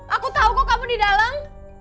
aku tahu kok kamu di dalam